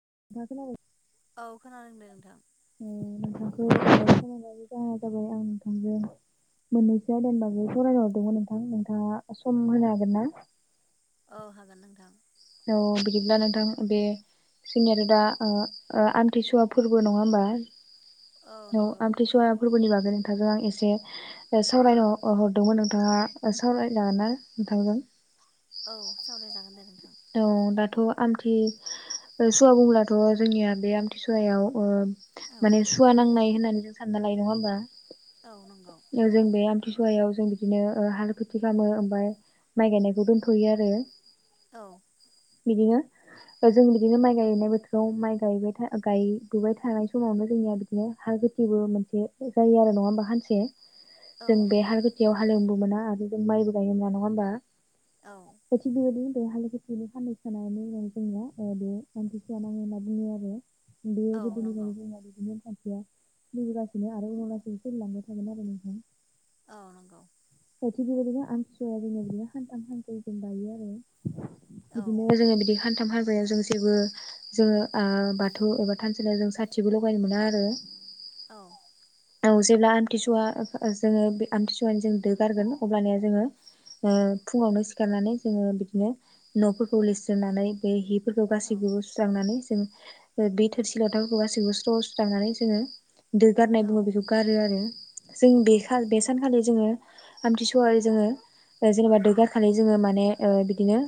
[unintelligible] औ खोनादों दे नोंथां। [unintelligible] मोननैसो आयदानि बागै सावरायनो हरदोंमोन नोंथां, नोंथाङा सम होनो हागोन ना? औ हागोन नोंथां। औ बिदिब्ला नोंथां बे जोंनि आरो दा आमथिसुवा फोरबो नङा होमबा औ नंगौ आमथि बुया फोरबोनि बागै आरो नोंथांजों आं एसे सावरायनो हरदोंमोन नोंथाङा सावरायलाा नोंथांजों औ सावराय जागोन दे नोंथां औ दाथ' आमथि सुवा बुंब्लाथ' जोंनिया बे आमथिंसुवायाव ओ औ माने सुवा नांनाय होननानै जों साननानै [inaudible] नङा होनबा औ नंगौ ओ जों बे आमथि सुया सुवायाव जों बिदिनो हालु खेथि खालामो ओमफ्राय माइ गायनायखौ दोनथ'यो आरो औ बिदिनो जों बिदिनो माइ गायनाय बोथोराव माइ गायबायथा गायबोबाय थानाय समावनो जोंनिया बिदिनो हा खथिबो मोनसे जायो आरो नङा होमबा हानसे औ जों बे नंगौ हाल गोथियाव हालेवनोबो मोना आरो जों माइबो गायनो मोना नङा होमबा औ फ बेबायदिनो बे हाल [unintelligible] बेनो फाननैसोनानै जोंनिना बे आमथिंसोवा नाङो होनना बुङो आरो बे औ गोदोनि [unintelligible] नंगौ दगासिनो आरो अनब्लासिनो सोलिलांबाय थागोन [unintelligible] आरो नोंथां अ नंगौ द थिग बेबायदिनो आमथििसुवाया जोंना बिदिनो हान्थाम हान्थै जों बायो आरो [unintelligible] औ बिदिनो जोङो बिदि [unintelligible] सानथाम हाबायाव जों जेबो जोङो ओ बाथौ एबा थानसालियाव जों साथिबो लगायनो मोना आरो अ' औ जेब्ला आमथिसुवा जोङो बे आमथिसुवानि जों दो गारगोन अबानया जोङो ओ फुङावनो सिखारनानै जोङो बिदिनो न'फोरखौ लिरस्रोननानै बे हिफोरखौ गासैखौबो सुस्रांनानै जों बे थोरसि लथाव गासिखौबो स्रव सुस्रानानै जोङो दो गारनाय औ बुङो बेखौ गारो आरो जों बे औ बे सानखालि जोङो आमथिंसुवाय जोङो जेनेबा दो औ गारखलि जोङो माने बिदिनो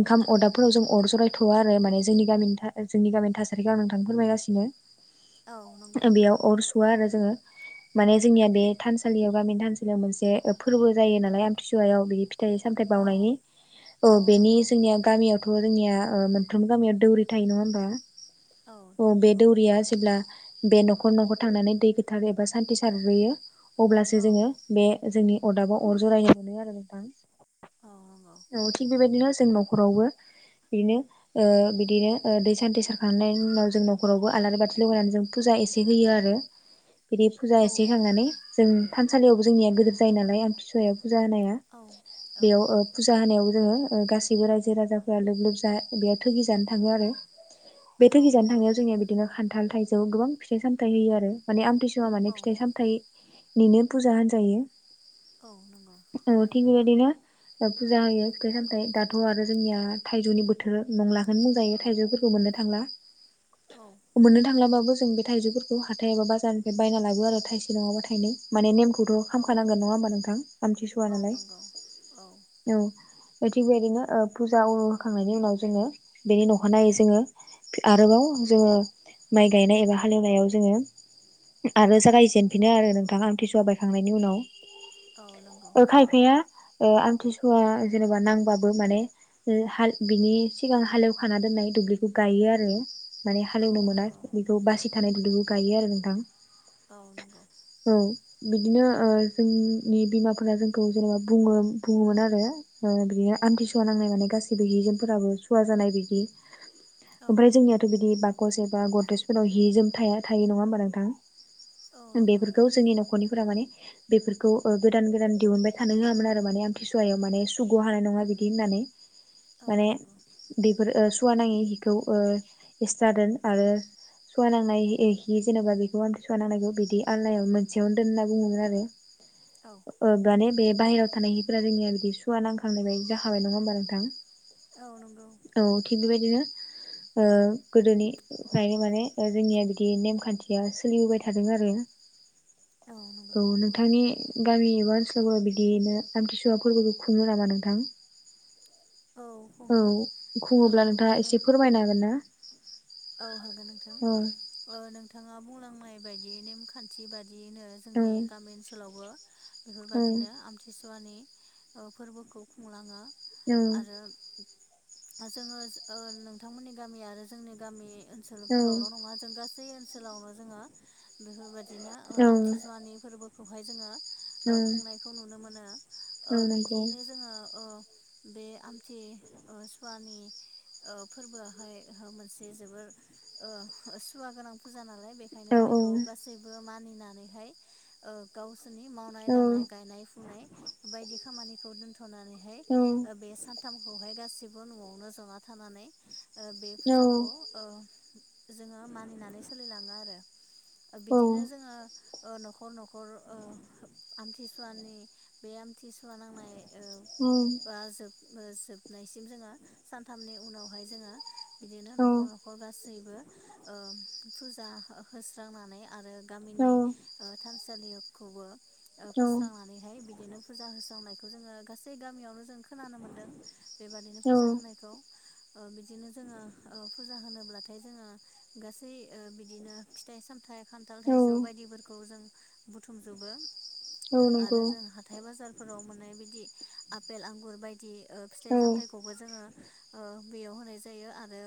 ओंखाम अरदाबफोराव जों अर जरायथ'वा आरो माने जोंनि गामिनि जोंनि गामिनि थासारिखौ आं नोंथांनो फोरमायगासिनो। औ नंगौ बेयाव अर सुवा आरो जोङो माने जोंनिया बे थानसालियाव गामिनि थानसालियाव मोनसे फोरबो जायो नालाय आमथिंसुवायाव फिथाइ सामथाय औ बावनायनि औ बेनि जोंनिया गामियावथ' जोंनिया मोनफ्रोमबो गामियाव दौरि थायो नङा होमबा औ अ बे नंगौ दौरिया जेब्ला बे न'खर न'खर थांनानै दै गोथार एबा सान्थि सारग्रोयो अब्लासो औ जोङो बे जोंनि अदाबाव अर जरायनो मोनो आरो नों नोंथां औ नंगौ औ थिग बेबायदिनो जों न'खरावबो बेनो ओ बिदिनो ओ दै सान्थि सारखांनायनि उनाव जों न'खरावबो आलारि बाथि लगायनानै जों फुजा दा एसे होयो आरो- [inaudible] बिदि फुजा औ एसे खांनानै जों थानसालियावबो जोंनिया गिदोर जायो नालाय आमथिंसुवाया जानाया औ बेयाव ओ- फुजा होनायाव जोङो गासै रायजो राजाफोरा लोब लोब बेयाव थगि जानो थाङो आरो बे थो गिजानो नंगौ थांनायाव जोंनिया बिदिनो खान्थाल थाइजौ गोबां फिथाइ सामथथाय होयो आरो माने आमथिं जा औ माने नंगौ औ फिथाइ सामथायाइनिबो बुरजा होनजायो औ नंगौ [unintelligible] बे बायदिनो फुजा होयो फिथाइ सामथायाइ दाथ' आरो जोंनिया थायजौनि बोथोर नंलाखोनो बुंजायो थायजौफोरखौ मोन औ मोननो थांलाबाबो जों बे थाइजौफोखौ हाथाइ ऐसा बारनिफ्राय बाय लाङो आरो थाइसे नङाबा थाइनै बिदिथ' खालामखानांगोन नंगौ नङा होनबा नोंथां आमथिसुवा औ नालाय नंगौ औ औ थिग बेबायदिनो फुजा उनु होखांनायनि उनाव जोङो बेनि अखानायै जोङो आरोबाव जोङो माइ गायनाय एबा हालेवनायाव जोङो आरो जागायजेनफिनो आरो नोंथांङा आमथिसुवा बायखांनाइनि उनाव नंगौ खायफाया ओ आमथिस हुवा जेनेबा नांबाबो माने बिनि सिगां हालेवखाना दोननाय दुब्लिखौ गायो। आरो माने हालेवनो मोना बेखौ बासि थानाय खौबो गायो आरो नोंथां। औ नंगौ औ बिदिनो ओ जोंनि बिमाफोरा जोंखौ जेनेबा बुङो बुङोमोन आरो आरो बिदिनो आमथिसुवा नांनाय माने गासिबो हिजोनफोराबो सुवा जानाय बिदि औ ओमफ्राय जोंनियाथ' बिदि बाकस एबा गदरेजफोराव हि जोम थाया थायो नङा होमबा नोंथां? औ नंगौ बेफोरखौ जोंनि न'खरनि फोरा माने बेफोरखौ गोदान गोदान दिहुनबाय थानो होयामोन आरो माने आमथिसुवा सुवायाव माने सुग' हानाय नङा बिदि होननानै औ माने नंगौ बेफोर सुवा नाङै हिखौ ओ एस्ट्रा दोन आरो सुवा नांनाय हि जेनेबा बेखौ आमथि सुवा नांनायखौ बिदि आलनायाव मोनसेयावनो दोन होनना बुङोमोन आरो। औ अ माने बे नंगौ बाहेराव थानाय हि जोंनिया बिदि सुवा नांखांलांनाय बायदि जाखाबाय नङा होमबा नोंथां औ नंगौ औ थिग बेबायदिनो [inaudible] ओ गोदोनिफ्राय माने जोंनिया बिदि नेमखान्थिया सोलिबोबाय थादों आरो। [inaudible] नंगौ औ नोंथांनि गामि एबा ओनसोलफोराव बिदियैनो आमथिसुवा फोरबोखौ खुङो नामा नोंथां? औ औ खुङो औ खुङोब्ला नोंथाङा एसे फोरमायनो हागोन ना? अ हागोन नोंथां औ ओ नोंथाङा बुंलांनाय बादियै नेम खान्थि बायद दियैनो औ जोंनि गामि ओनसोलावबो औ बेफोरबायादिनो आमथिसुवानि फोरबोखौ खुंलाङो आरो जोङो ओ नोंथांमोननि गामि आरो जोंनि गामि ओनसोलफोरावल' नङा जों गासै ओनसोलावनो जोङो बेफोरबाय दिनो औ आमथिसुवानि फोरबोखौहाय जोङो ओ खुंनायखौ नुनो मोनो ओ औ नंगौ बिदियैनो जोङो ओ बे आमथि ओ सुवानि ओ फोरबोआहाय मोनसे जोबोर ओ सुवा गोनां फुजा नालाय औ बेनिखायनो बेखौ गासैबो मानि नानैहाय ओ गावसोरनि मावनाय औ दांनाय गायनाय फुनाय बायदि खामानिखौ दोनथनानैहाय औ बे सानथामखौहाय गासै सैबो न'आवनो जमा थानानै ओ बे फुजाखौ औ जोङो मानिनानै सोलिलाङो आरो बिदिनो जोङो ओ न'खर न'खर ओ आमथिसुवानि बे आम थिसुवा नांनाय बा जोब जोबनायसिम जोङो सानथामनि उनावहाय जोङो बिदि न'खर न'खर गासैबो ओ फुजा होस्रांनानै आरो औ गामिनि औ थानसालिखौबो औ फोस्रांनानैहाय बिदिनो फुजा होस्रांनायखौ जोङो गासै गामियावनो जों खोनानो मोनदों बेबादिनो औ फुजा होनायखौ बिदिनो जोङो ओ फुजा होनोब्लाथाय जोङो गासै ओ बिदिनो फिथाइ सामथाय खान्थाल औ थाइजौ बायदिफोरखौ जों बुथुमजोबो औ आरो नंगौ जों हाथाइ बाजारफोराव मोननाय बिदि आफेल आंगुर बायदि फिथाइ औ सामथायखौबो जोङो ओ बेयाव होनाय जायो आरो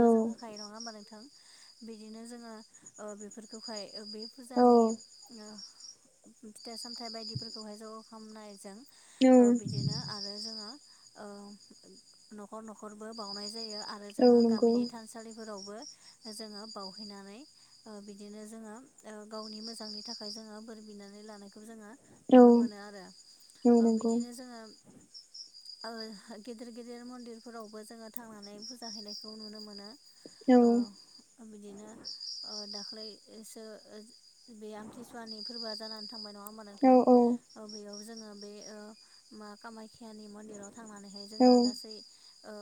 औ जों होखायो नङा होमबा नोंथां? बिदिनो जोङो ओ बेफोरखौहाय बे औ फुजानि फिथाइ सामथाइ बायदिफोरखौहाय ज' खालामनायजों औ ओ बिदिनो आरो जोङो ओ न'खर न'खरबो बावनाय जायो आरो औ जोङो नंगौ गामिनि थानसालिफोरावबो जोङो बावहैनानै ओ बिदिनो जोङो ओ गावनि मोजांनि थाखाय जोङो बोरै बिनानै लानायखौ जोङो औ नुनो मोनो आरो औ नंगौ बिदिनो जोङो ओ गिदिर गिदिर मन्दिरफोरावबो जोङो थांनानै फुजा हैनाय औ बिदिनो दाखाै ओमफ्रायसो बे आमथिसुवानि फोरबोआ जानानै थांबाय नङा होनबा औ नंगौ औ नोंथां बेयाव जोंङो बे ओ मा मन्दिराव थांनानैहाय जोङो गासै ओ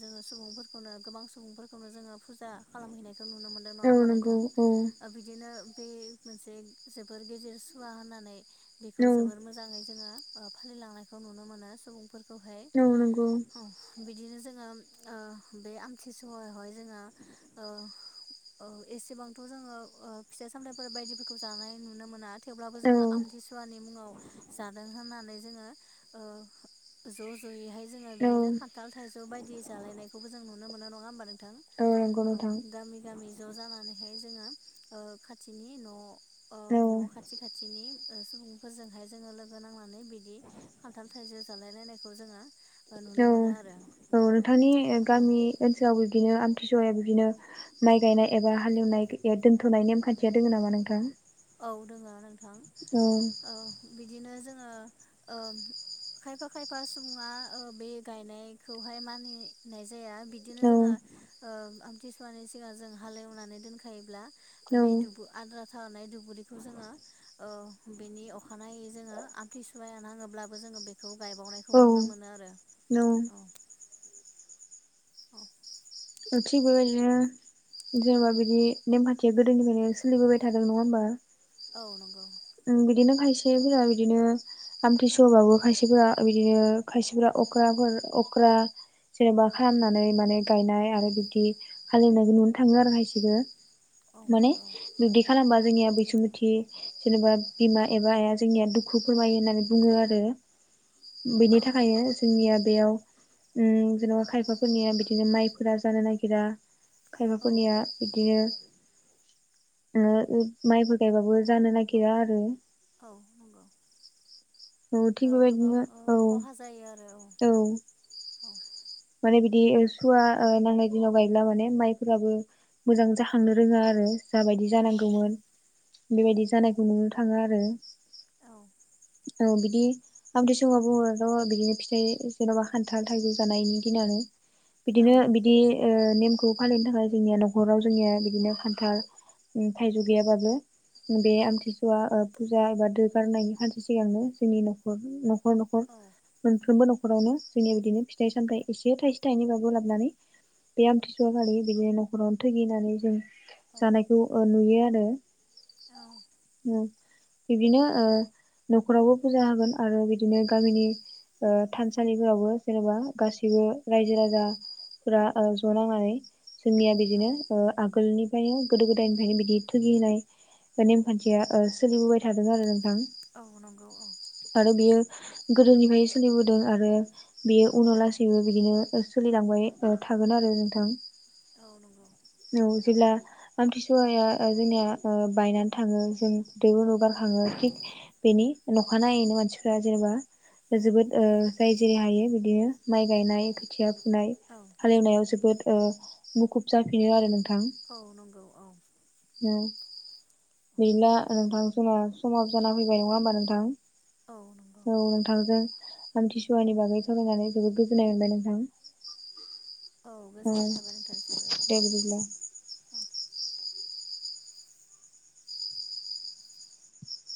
जोङो सुबुंफोरखौनो गोबां सुबुंफोरखौनो जोङो फुजा खालामहैनाय खौ नुनो मोन्दों नङा औ होमा नंगौ नोंथां औ बिदिनो बे मोनसे जोबोर गेजेर सुवा होननानै बेखौ जोबोर मोजाङै जोङो फालिलांनायखौ नुनो मोनो सुबुंफोरखौहाय बिदिनो जोङो बे आमथि सुवा आवहाय जोङो ओ औ एसेबांथ' जोङो फिथाइ सामथायफोर बायदिफोरखौ जानाय नुनो मोना। थेवब्लाबो जोङो आमथिसुवानि मुङाव जादों होननानै जोङो ज जयै औ हाय खान्थाल थाइजौ बायदि जालायनायखौबो जों नुनो मोनो नङा होनबा औ नंगौ औ नोंथां गामि गामि ज' जानानैहाय जोङो खाथिनि न' औ न' खाथि खाथिनि सुबुंफोरजोंहाय जोङो लोगो नांना नानै बिदि खान्थाल थाइजौ जालाय लायनायखौ जोङो नुनो औ मोनो आरो। औ नोंथांनि औ गामि ओनसोलाव बिदिनो आमथिसुवाया बिदिनो माइ गायनाय एबा हालेवनाय दोनथ'नाय नेमखान्थिया दङ नामा नोंथां? औ दोङ नोंथां औ औ बिदिनो जोङो। खायफा खायफा सुबुङा बे गायनायखौहाय मानिनाय जाया बिदिनो औ जोङो आमथिसुवानि सिगां जों हालेवनानै दोनखायोब्ला बे दुबु आद्रा थानाय दुब बेखौ जोङो बेनि अखानायै जों आमथि सुवाया नाङोब्लाबो जोंओ बे खौ गायबावनायखौ औ नुनो मोनो आरो औ। औ [unintelligible] जेनेबा बिदि नेमखान्थिया गोदोनिफ्रायनो सोलिबोबाय थादों नङा होमबा? औ नंगौ। ओं बिदिनो खायसेफोरा बिदिनो आमथिसुवाबाबो खायसेफोरा बिदिनो खायसेफोरा अख्राफोर अख्रा जेनेबा खालामनानै माने गायनाय औ आरो बिदि हालेवनायखौ नुनो थाङो आरो खायसेखौ। औ माने नंगौ बिब्दि खालामबा जोंनिया बैसुमिथि जेनेबा बिमा एबा आइआ जोंनिया दुखु फोरमायो होननानै बुङो आरो। बेनि औ थाखायनो जोंनिया बेयाव जेन'बा खायफाफोरनिया बिदिनो माइफोरा जानो नागिरा। औ खायबाफोरनिया बिदिनो माइफोर गायबाबो जानो नागिर गिरा आरो। औ नंगौ औ थिग ओ गोबां बेबायदिमोन ओ खहा जायो आरो औ औ औ माने बिदि सुवा नांनाय दिनाव गायब्ला माने माइफोराबो मोजां जाखांनो रोङा आरो। जाबायदि औ जानांगौमोन औ बेबायदि जानायखौ नुनो थाङो आरो। औ। औ बिदि आमथिसुवा बुङो बिदिनो फिथाइ जेन'बा खान्थाल थाइजौ जानायनि बिदिनो बिदि ओ नेमखौ फालिनो थाखाय जोंनिया न'खराव जोंनिया बिदिनो खान्थाल थाइजौ गैयाबाबो। बे औ औ आमथिसुवा ओ फुजा एबा दोगारनायनि खान्थि सिगांनो जोंनि न'खर न'खर न'खर औ मोनफ्रोमबो न'खरावनो जोंनिया बिदिनो फिथाइ सामथाय एसे थाइसे थाइनैबाबो लाबनानै बे आमथिसुवा खालि बिदिनो न'खरावनो थैगिनानै जों औ जानायखौ ओ नुयो आरो‌। औ। ओम इदिनो ओ न'खरावबो फुजा होगोन आरो बिदिनो गामिनि ओ थानसालिफोरावबो जेनेबा गासै [unintelligible] रायजो राजाफोरा ओ ज' नांनानै जोंनिया बिदिनो ओ आगोलनि फायनो गोदो गोदायनिफ्रायनो बिदि थुगि होनाय नेमखान्थिया ओ सोलिबोबाय थादों आरो। नोंथां औ नंगौ औ। आरो बियो गोदोनिफ्राय सोलिबोदों आरो बेयो उनाव लासि उम बिदिनो ओ सोलिलांबाय ओ थागोन आरो नोंथां। [inaudible] औ जेब्ला आमथिसुवाया ओ जोंनिया ओ बायनानै थाङो जों दैबो लगाखाङो थिक बेनि नखानायैनो मानसिफोरा जेनेबा जोबोद ओ औ जाय जेरै हायो बिदिनो माइ गायनाय खोथिया फुनाय हालेवनायाव जोबोद ओ मुखुब जाफिनो आरो नों औ नंगौ औ। औ गैला नोंथां जोंना समाबो जाना फैबाय नङा होमबा नोंथां? औ नंगौ औ नोंथांजों आमथिसुवानि बागै सावरायनानै जोबोद गोजोननाय मोनबाय नोंथां। औ गोजोननाय थाबाय नोंथांनिसिमबो दे बिदिब्ला औ